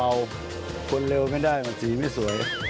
เอาคนเร็วไม่ได้มาสีไม่สวย